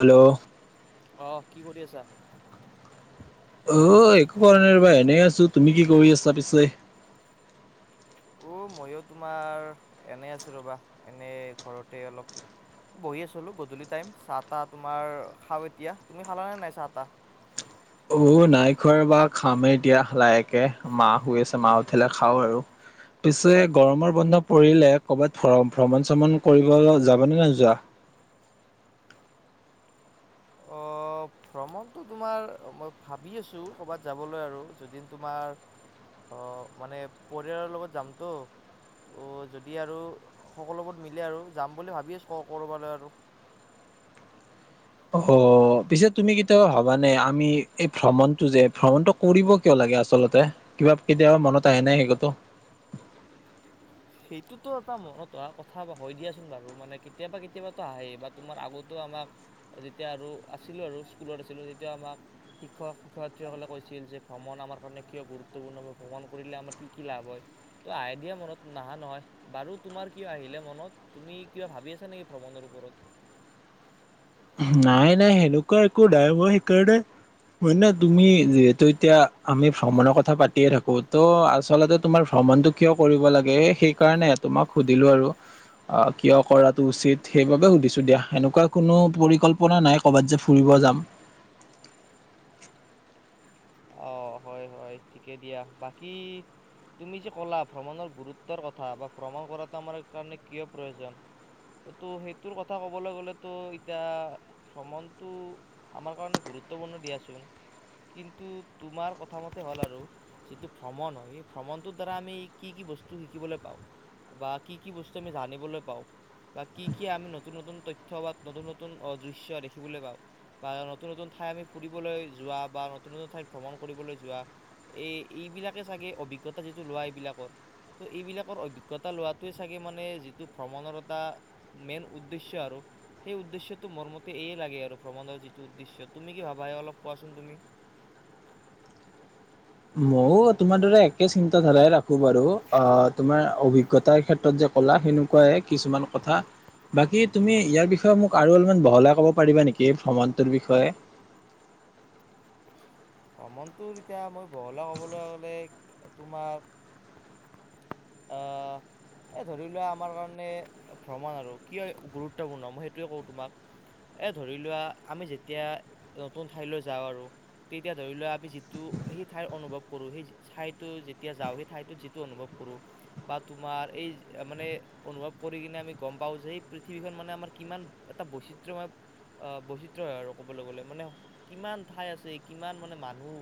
Hello অহ', কি কৰি আছা? অ', একো কৰা নাই ৰ'বা এনেই আছো, তুমি কি কৰি আছা পিছে? অ' মইও তোমাৰ এনেই আছোঁ ৰ'বা এনেই ঘৰতে অলপ। বহি আছিলো গধূলি টাইম চাহ-তাহ তোমাৰ খাওঁ এতিয়া, তুমি খালা নে নাই চাহ-তাহ? অ' নাই খোৱা ৰ'বা খামেই এতিয়া লাহকে মা শুই আছে মা উঠিলে খাওঁ আৰু। পিছে গৰমৰ বন্ধ পৰিলে ক'ৰবাত ভ্ৰ-ভ্ৰমণ-চ্ৰমণ কৰিব যাবনে নোযোৱা? অ',। ভ্ৰমণটো তোমাৰ মই ভাবি আছোঁ ক'ৰবাত যাবলৈ আৰু যদি তোমাৰ- অ', মানে পৰিয়ালৰ লগত যামতো। অ' যদি আৰু সকলোবোৰ মিলে আৰু যাম বুলি ভাবি আছো ক'ৰবালৈ আৰু। অ'হ পিছে তুমি কেতিয়াবা ভবানে আমি এই ভ্ৰমণটো যে ভ্ৰমণটোক- কৰিব কিয় লাগে আচলতে কিবা কেতিয়াবা মনত আহে নাই সেইটো। সেইটোতো এটা মনত অহা কথা হয় দিয়াচোন বাৰু, মানে কেতিয়াবা-কেতিয়াবাটো আহে বাট তোমাৰ আগতেো আমাক যেতিয়া আৰু আছিলোঁ আৰু স্কুলত আছিলোঁ তেতিয়া আমাক- শিক্ষক-শিক্ষয়িত্ৰী সকলে কৈছিল যে ভ্ৰমণ আমাৰ কাৰণে কিয় গুৰুত্বপূৰ্ণ ভ্ৰমণ কৰিলে আমাৰ কি কি লাভ হয়। ত' আইডিয়া মনত- নাহে নহয়। বাৰু তোমাৰ কিয় আহিলে মনত তুমি কিবা ভাবি আছা নেকি ভ্ৰমণৰ ওপৰত? নাই-নাই সেনেকুৱা একো নাই হোৱা সেইকাৰণে- হয় নে তুমি যিহেতু এতিয়া আমি ভ্ৰমণৰ কথা পাতিয়ে থাকো। ত' আচলতে তোমাৰ ভ্ৰমণটো- কিয় কৰিব লাগে সেইকাৰণে তোমাক সুধিলো আৰু। অ', কিয় কৰাটো উচিত সেইবাবে সুধিছো দিয়া। সেনেকুৱা কোনো- পৰিকল্পনা নাই ক'ৰবাত যে ফুৰিব যাম। অ', হয়-হয় ঠিকে দিয়া। বাকী'- তুমি যে ক'লা ভ্ৰমণৰ গুৰুত্বৰ কথা বা ভ্ৰমণ কৰাটো আমাৰ কাৰণে কিয় প্ৰয়োজন। ত' তো সেইটোৰ কথা ক'বলৈ গ'লেতো এতিয়া ভ্ৰমণটো- আমাৰ কাৰণে গুৰুত্বপূৰ্ণ দিয়াচোন। টো তোমাৰ কথামতে হ'ল আৰু। যিটো ভ্ৰমণ হয় সেই ভ্ৰমণটোৰ দ্বাৰা আমি কি কি বস্তু শিকিবলৈ পাওঁ- বা কি কি বস্তু আমি জানিবলৈ পাওঁ- বা কি কি আমি নতুন-নতুন তথ্য বা নতুন-নতুন অ' দৃশ্য দেখিবলৈ পাওঁ। বা নতুন-নতুন ঠাই আমি ফুৰিবলৈ যোৱা বা- নতুন-নতুন ঠাইত ভ্ৰমণ কৰিবলৈ যোৱা এইবিলাকে চাগে অভিজ্ঞতা লোৱা এইবিলাকৰ। ত' এইবিলাকৰ অভিজ্ঞতা লোৱাটোৱে চাগে মানে যিটো ভ্ৰমণৰ এটা- মেইন উদ্দেশ্য আৰু। সেই উদ্দেশ্যটো মোৰ মতে এইয়ে লাগে আৰু ভ্ৰমণৰ যিটো উদ্দেশ্য। তুমি কি ভাবা অলপ কোৱাচোন তুমি? মইও তোমাৰ দৰে একেই চিন্তাধাৰাই ৰাখো বাৰু, অ' তোমাৰ অভি অভিজ্ঞতাৰ ক্ষেত্ৰত যে ক'লা সেনেকুৱাই কথা। বাকী তুমি ইয়াৰ বিষয়ে মোক আৰু অলপমান বহলাই পাৰিবা নেকি ভ্ৰমণটোৰ বিষয়ে। ভ্ৰমণটো এতিয়া মই বহলাই ক'বলৈ গ'লে তোমাৰ - আহ- এই ধৰি লোৱা আমাৰ কাৰণে ভ্ৰমণ আৰু কিয় গুৰুত্বপূৰ্ণ মই সেইটোৱে কওঁ তোমাক। এই ধৰি লোৱা আমি যেতিয়া নতুন ঠাইলৈ যাওঁ আৰু- তেতিয়া ধৰি লোৱা আমি যিটো সেই ঠাইৰ অনুভৱ কৰোঁ, সেই- ঠাইতো যেতিয়া যাওঁ, সেই ঠাইতো যিটো অনুভৱ কৰো, - বা তোমাৰ এই মানে অনুভৱ কৰি কিনে আমি গম পাওঁ যে এই পৃথিৱীখন মানে আমাৰ কিমান- এটা বৈচিত্ৰময়- বৈচিত্ৰ হয় আৰু ক'বলৈ গ'লে মানে কিমান ঠাই আছে কিমান মানে মানুহ!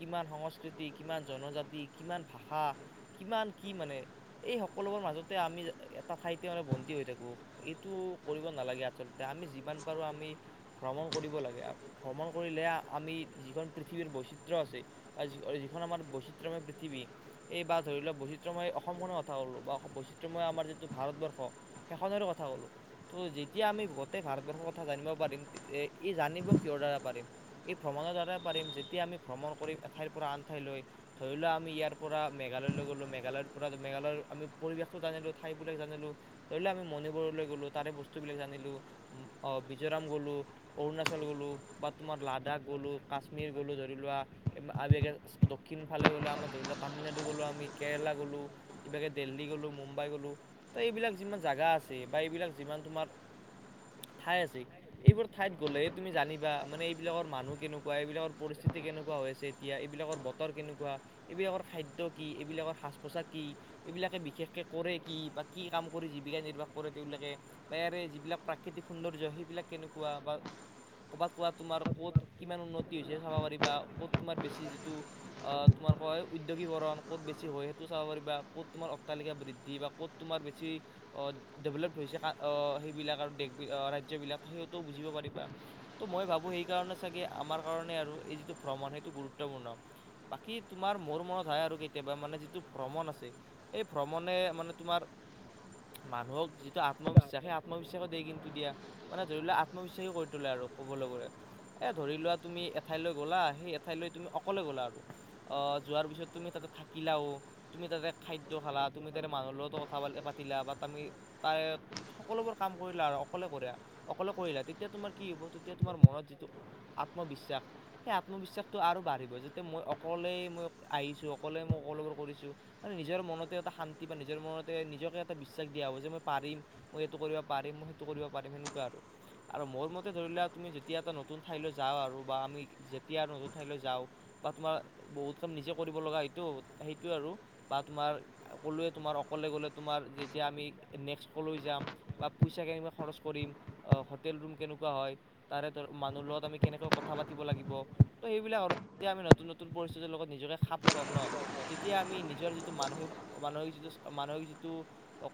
কিমান সংস্কৃতি, কিমান জনজাতি, কিমান ভাষা কিমান কি মানে! এই সকলোবোৰ মাজতে আমি এটা ঠাইতে মানে বন্দি হৈ থাকো। এইটো কৰিব নালাগে আচলতে। আমি যিমান পাৰোঁ আমি- ভ্ৰমণ কৰিব লাগে। ভ্ৰমণ কৰিলে আমি যিখন পৃথিৱীৰ বৈচিত্ৰ আছে- যিখন আমাৰ বৈচিত্ৰময় পৃথিৱী, এই বা ধৰি লোৱা বৈচিত্ৰময়- অসমখনৰ কথা ক'লোঁ বা বৈচিত্ৰময় আমাৰ যিটো ভাৰতবৰ্ষ সেইখনে কথা ক'লোঁ। ত' যেতিয়া আমি গোটেই ভাৰতবৰ্ষৰ কথা জানিব পাৰিম, ই জানিব কিহৰ দ্বাৰা পাৰিম? এই ভ্ৰমণৰ দ্বাৰাই পাৰিম, যেতিয়া আমি ভ্ৰমণ কৰিম এঠাইৰ পৰা আন ঠাইলৈ। ধৰি লোৱা আমি ইয়াৰ পৰা মেঘালয়লৈ গ'লো, মেঘালয়ৰ- পৰা মেঘালয় আমি পৰিৱেশটো জানিলোঁ, ঠাইবিলাক জানিলোঁ। ধৰি লওঁ আমি মণিপুৰলৈ গ'লো, তাৰে বস্তুবিলাক জানিলোঁ অঁ, মিজোৰাম গ'লোঁ, - অৰুণাচল গ'লোঁ বা তোমাৰ লাডাখ গ'লোঁ, কাশ্মীৰ গ'লোঁ ধৰি লোৱা। আগে দক্ষিণ ফালে গ'লে আমাৰ ধৰি লওঁক তামিলনাডু গ'লোঁ, আমি কেৰেলা গ'লোঁ, - এইবাগে দিল্লী গ'লো, মুম্বাই গলো। ত' এইবিলাক যিমান জেগা আছে বা এইবিলাক যিমান তোমাৰ- ঠাই আছে। এইবোৰ ঠাইত গ'লে তুমি জানিবা মানে এইবিলাকৰ মানুহ কেনেকুৱা, এইবিলাকৰ পৰিস্থিতি কেনেকুৱা হৈ আছে। এতিয়া এইবিলাকৰ বতৰ কেনেকুৱা, এইবিলাকৰ খাদ্য কি, এইবিলাকৰ সাজ -পোছাক- কি, এইবিলাকে বিশেষকৈ কৰে কি বা কি কাম কৰি জীৱিকা নিৰ্বাহ কৰে তেওঁবিলাকে- বা ইয়াৰে যিবিলাক প্ৰাকৃতিক সৌন্দৰ্য সেইবিলাক কেনেকুৱা বা- ক'ৰবাত ক'ৰবাত তোমাৰ ক'ত কিমান উন্নতি হৈছে চাব পাৰিবা, ক'ত তোমাৰ বেছি যিটো- অঁ, তোমাৰ কয় উদ্যোগীকৰণ ক'ত বেছি হয়? সেইটো- বা ক'ত তোমাৰ অট্টালিকা বৃদ্ধি বা ক'ত তোমাৰ বেছি- আহ ডেভেলপ্ট হৈছে আহ সেইবিলাক আৰু দেশ বি ৰাজ্যবিলাক সেইটোও বুজিব পাৰিবা। ত' মই ভাবোঁ সেইকাৰণে চাগে আমাৰ কাৰণে আৰু এই যিটো ভ্ৰমণ সেইটো গুৰুত্বপূৰ্ণ। বাকী তোমাৰ মোৰ মনত হয় আৰু কেতিয়াবা মানে যিটো- ভ্ৰমণ আছে, এই ভ্ৰমণে মানে তোমাৰ- মানুহক যিটো আত্মবিশ্বাস সেই আত্মবিশ্বাসক দে কিন্তু দিয়া। মানে ধৰি লোৱা আত্মবিশ্বাসী গঢ়ি তোলে আৰু কবলৈ গ'লে। এ ধৰি লোৱা তুমি এঠাইলৈ গ'লা, সেই এঠাইলৈ তুমি অকলে গ'লা আৰু। অঁ, যোৱাৰ পিছত তুমি তাতে থাকিলাউ। তুমি তাতে খাদ্য খালা, তুমি তাতে মানুহৰ লগতো কথা প -পাতিলা বা তুমি তাৰে- সকলোবোৰ কাম কৰিলা আৰু অকলে কৰা, অকলে কৰিলা তেতিয়া তোমাৰ কি হ'ব? তেতিয়া তোমাৰ মনত যিটো- আত্মবিশ্বাস- সেই আত্মবিশ্বাসটো আৰু বাঢ়িব যাতে মই অকলেই মই আহিছোঁ, অকলেই মই সকলেবোৰ কৰিছোঁ। মানে নিজৰ মনতে এটা শান্তি বা নিজৰ মনতে নিজকে এটা বিশ্বাস দিয়া হ'ব যে মই পাৰিম মই এইটো কৰিব পাৰিম মই সেইটো কৰিব পাৰিম সেনেকুৱা আৰু আৰু মোৰ মতে ধৰি লোৱা তুমি যেতিয়া এটা নতুন ঠাইলৈ যাৱ আৰু বা আমি যেতিয়া আৰু নতুন ঠাইলৈ যাওঁ বা তোমাৰ বহুত কাম নিজে কৰিব লগা হয়টো সেইটোৱে আৰু বা তোমাৰ কলোৱে তোমাৰ অকলে গ'লে তোমাৰ যেতিয়া আমি নেক্সট কলৈ যাম বা পইচা কেনেকুৱা খৰচ কৰিম অ হোটেল ৰুম কেনেকুৱা হয় তাৰে ধৰ মানুহৰ লগত কেনেকৈ আমি কথা পাতিব লাগিব ত' এইবিলাক আৰু নতুন নতুন পৰিস্থিতিৰ লগত নিজকে খাপ খুৱাম ন তেতিয়া আমি নি নিজৰ যিটো মানসিক মানসিক যিটো মানসিক যিটো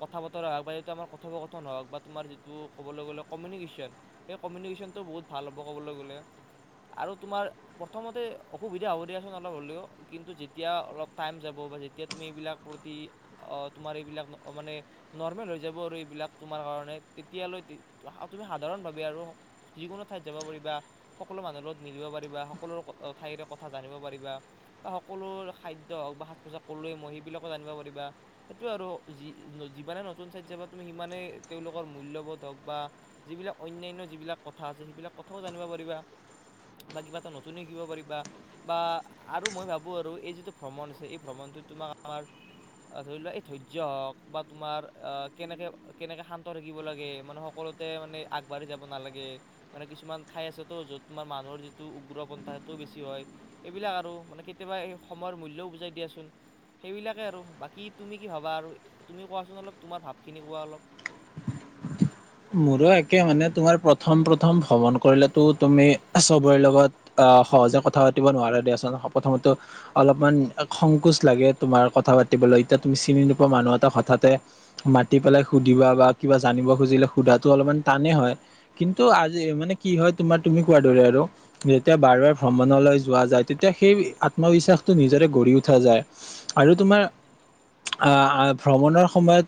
কথা বতৰা হওক বা এইটো আমাৰ কথোপকথন হওক বা তোমাৰ যিটো ক'বলৈ গ'লে কমিউনিকেশ্যন সেই কমিউনিকেশ্যনটো বহুত ভাল হ'ব ক'বলৈ গ'লে আৰু তোমাৰ প্ৰথমতে অসুবিধা হ'ব দিয়াচোন অলপ হ'লেও কিন্তু যেতিয়া অলপ টাইম যাব বা এতিয়া তুমি এইবিলাক প্ৰতি অ তোমাৰ এইবিলাক মানে নৰ্মেল হৈ যাব আৰু এইবিলাক তোমাৰ কাৰণে তেতিয়ালৈ তুমি সাধাৰণভাৱে আৰু যিকোনো ঠাইত যাব পাৰিবা সকলো মানুহৰ লগত মিলিব পাৰিবা সকলো ঠাইৰে কথা জানিব পাৰিবা সকলো খাদ্য হওক বা সাজ পোছাক ক'লোৱে মই সেইবিলাকো জানিব পাৰিবা সেইটো আৰু যি যিমানে নতুন চাইড যাবা তুমি সিমানেই তেওঁলোকৰ মূল্যবোধ হওক বা যিবিলাক অন্যান্য যিবিলাক কথা আছে সেইবিলাক কথাও জানিব পাৰিবা বা কিবা এটা নতুনে শিকিব পাৰিবা বা আৰু মই ভাবোঁ আৰু এই যিটো ভ্ৰমণ আছে এই ভ্ৰুমনটো তোমাৰ ধৰি লোৱা এই ধৈৰ্য্য হওক বা তোমাৰ কেনেকে কেনেকে শান্ত থাকিব লাগে মানুহক সকলোতে মানে আগবাঢ়ি যাব নালাগে মানে কিছুমান ঠাই আছেতো যত তোমাৰ মানুহৰ যিটো উগ্ৰপন্থা সেইটোও বেছি হয় এইবিলাক আৰু মানে কেতিয়াবা এই সময়ৰ মূল্যও বুজাই দিয়াছোন সেইবিলাকে আৰু বাকী তুমি কি ভাবা আৰু তুমি কোৱাচোন অলপ তোমাৰ ভাৱখিনি কোৱা অলপ মোৰো একে মানে তোমাৰ প্ৰথম প্ৰথম ভ্ৰমণ কৰিলেটো তুমি চবৰে লগত আ, সহজে কথা পাতিব নোৱাৰে দিয়াচোন প্ৰথমেতো অলপমান সংকোচ লাগে তোমাৰ কথা পাতিবলৈ এতিয়া তুমি চিনি নোপোৱা মানুহ এটা হঠাতে মাতি পেলাই সুধিবা বা কিবা জানিব খুজিলে সুধাটো অলপমান টানে হয়। কিন্তু আজি মানে কি হয় তোমাৰ তুমি কোৱা দৰে আৰু। যেতিয়া বাৰ ভ্ৰমণলৈ যোৱা যায় তেতিয়া সেই আত্মবিশ্বাসটো নিজৰে গঢ়ি উঠা যায়। আৰু তোমাৰ আ, আ, ভ্ৰমণৰ সময়ত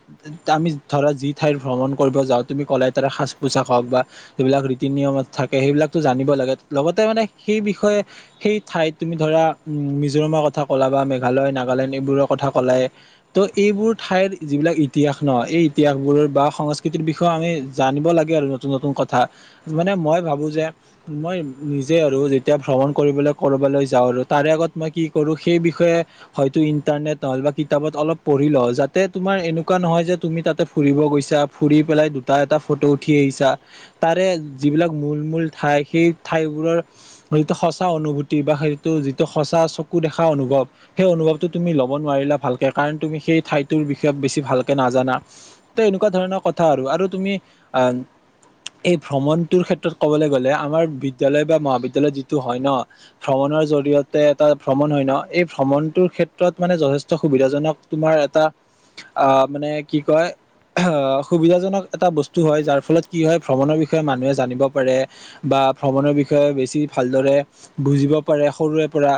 আমি ধৰা যি ঠাইত ভ্ৰমণ কৰিব যাওঁ। তুমি ক'লাই তাৰে সাজ পোছাক হওক বা এইবিলাক ৰীতি নিয়মত থাকে সেইবিলাকো জানিব লাগে লগতে মানে সেই বিষয়ে সেই ঠাইত তুমি ধৰা উম, মিজোৰামৰ কথা ক'লা বা মেঘালয় নাগালেণ্ড এইবোৰৰ কথা কলাই ত' এইবোৰ ঠাইৰ যিবিলাক ইতিহাস ন' এই ইতিহাসবোৰৰ বা সংস্কৃতিৰ বি বিষয়ে আমি জানিব লাগে আৰু নতুন নতুন কথা মানে মই ভাবোঁ যে মই নিজে আৰু যেতিয়া ভ্ৰমণ কৰিবলৈ কৰবালৈ যাওঁ আৰু তাৰে আগত মই কি কৰো সেই বিষয়ে হয়তো ইন্টাৰনেট নহ'লে বা কিতাপত অলপ পঢ়ি লওঁ যাতে তোমাৰ এনেকুৱা নহয় যে তুমি তাতে ফুৰিব গৈছা ফুৰি পেলাই দুটা এটা ফটো উঠি আহিছা। তাৰে যিবিলাক মূল মূল ঠাই সেই ঠাইবোৰৰ যিটো সঁচা অনুভূতি বা সেইটো যিটো সঁচা চকু দেখা অনুভৱ। সেই অনুভৱটো তুমি ল'ব নোৱাৰিলা ভালকে কাৰণ তুমি সেই ঠাইটোৰ বিষয়ে বেছি ভালকে নাজানা। ত' এনেকুৱা ধৰণৰ কথা আৰু আৰু তুমি আন এই ভ্ৰমণটোৰ ক্ষেত্ৰত ক'বলৈ গ'লে আমাৰ বিদ্যালয় বা মহাবিদ্যালয় যিটো হয় ন'। ভ্ৰমণৰ জৰিয়তে এটা ভ্ৰমণ হয় ন' এই ভ্ৰমণটোৰ ক্ষেত্ৰত মানে যথেষ্ট সুবিধাজনক তোমাৰ এটা আ, মানে কি কয় সুবিধাজনক এটা বস্তু হয়, যাৰ ফলত কি হয় ভ্ৰমণৰ বিষয়ে মানুহে জানিব পাৰে। বা ভ্ৰমণৰ বিষয়ে বেছি ভালদৰে বুজিব পাৰে সৰুৰে পৰা।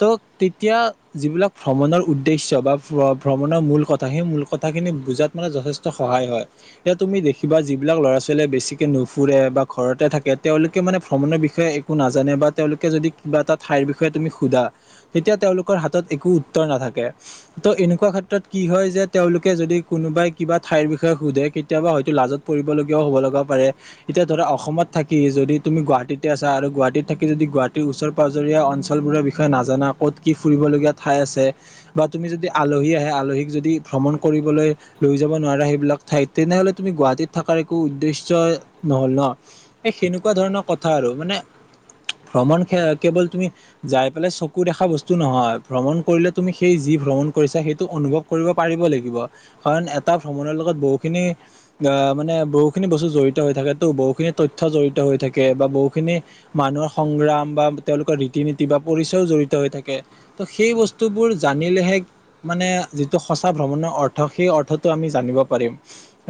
ত' তেতিয়া যিবিলাক ভ্ৰমণৰ উদ্দেশ্য বা ফ্ল-ভ্ৰমণৰ মূল কথা সেই মূল কথাখিনি বুজাত মানে যথেষ্ট সহায় হয়। এতিয়া তুমি দেখিবা যিবিলাক ল'ৰা ছোৱালীয়ে বেছিকে নুফুৰে বা ঘৰতে থাকে, তেওঁলোকে মানে ভ্ৰমণৰ বিষয়ে এ কো নাজানে বা তেওঁলোকে যদি কিবা এটা ঠাইৰ বিষয়ে তুমি সুধা। তেতিয়া তেওঁলোকৰ হাতত একো উত্তৰ নাথাকে। ত' এনেকুৱা ক্ষেত্ৰত কি হয় যে তেওঁলোকে যদি কোনোবাই কিবা ঠাইৰ বিষয়ে সোধে কেতিয়াবা হয়তো লাজত পৰিবলগীয়াও হ'ব লগা পাৰে। এতিয়া ধৰা অসমত থাকি যদি তুমি গুৱাহাটীতে আছা, আৰু গুৱাহাটীত থাকি যদি গুৱাহাটীৰ ওচৰ পাজৰীয়া অঞ্চলবোৰৰ বিষয়ে নাজানা ক'ত কি ফুৰিবলগীয়া ঠাই আছে। বা তুমি যদি আলহী আহে আলহীক যদি ভ্ৰমণ কৰিবলৈ লৈ যাব নোৱাৰা সেইবিলাক ঠাইত তেনেহ'লে তুমি গুৱাহাটীত থকাৰ একো উদ্দেশ্য নহ'ল ন'। এই সেনেকুৱা ধৰণৰ কথা আৰু, মানে ভ্ৰমণ সে কেৱল তুমি যাই পেলাই চকু দেখা বস্তু নহয় ভ্ৰমণ কৰিলে তুমি সেই যি ভ্ৰমণ কৰিছা সেইটো অনুভৱ কৰিব পাৰিব লাগিব, কাৰণ এটা ভ্ৰমণৰ লগত বহুখিনি আ, মানে বহুখিনি বস্তু জড়িত হৈ থাকেতো, বহুখিনি তথ্য জড়িত হৈ থাকে বা বহুখিনি মানুহৰ সংগ্ৰাম বা তেওঁলোকৰ ৰীতি নীতি বা পৰিচয়ও জড়িত হৈ থাকে। ত' সেই বস্তুবোৰ জানিলেহে মানে যিটো সঁচা ভ্ৰমণৰ অৰ্থ সেই অৰ্থটো আমি জানিব পাৰিম।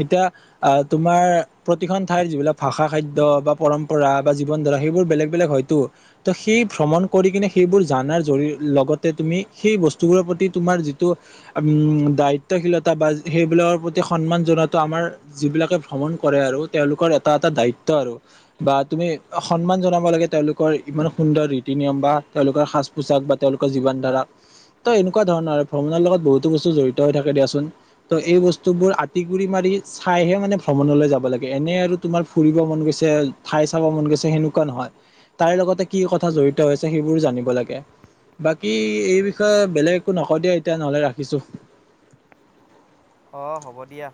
এতিয়া আ, তোমাৰ প্ৰতিখন ঠাইৰত যিবিলাক ভাষা খাদ্য বা পৰম পৰা বা জীৱন ধৰা সেইবোৰ বেলেগ বেলেগ হয়তো। ত' সেই ভ্ৰমণ কৰি কিনে সেইবোৰ জানাৰ জৰি লগতে তুমি সেই বস্তুবোৰৰ প্ৰতি তোমাৰ যি টো, আম, দায়িত্বশীলতা বা সেইবিলাকৰ প্ৰতি স সন্মান জনাতো আমাৰ যিবিলাকে ভ্ৰমণ কৰে আৰু তেওঁলোকৰ এটা এটা দায়িত্ব আৰু। বা তুমি সন্মান জনাব লাগে তেওঁলোকৰ ইমান সুন্দৰ ৰীতি নিয়ম বা তেওঁলোকৰ সাজ পোচাক বা তেওঁলোকৰ জীৱন ধাৰা ত এনেকুৱা ধৰণৰ আৰু ভ্ৰমণৰ লগত বহুতো বস্তু জড়িত হৈ থাকে দিয়াচোন ত' এই বস্তু বোৰ আটি গুৰি মাৰি চাইহে মানে ভ্ৰমণলৈ যাব লাগে এনে আৰু তোমাৰ ফুৰিব মন গৈছে ঠাই চাব মন গৈছে সেনেকুৱা নহয় তাইৰ লগতে কি কথা জড়িত হৈছে সেইবোৰো জানিব লাগে বাকী এই বিষয়ে বেলেগ একো নক‌ও দিয়া এতিয়া নহলে ৰাখিছোঁ অ হ'ব দিয়া